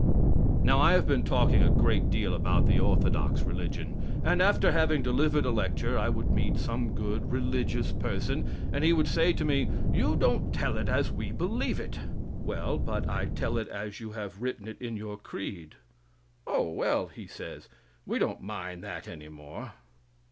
Now, I have been talking a great deal about the orthodox religion; and, after having delivered a lecture, I would meet some good, religious person, and he would say to me: "You don't tell it as we believe it." "Well, but I tell it as you have it written in your creed." "Oh, well," he says, "we don't mind that any more."